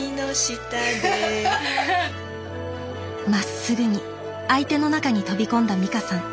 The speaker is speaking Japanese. まっすぐに相手の中に飛び込んだ美香さん。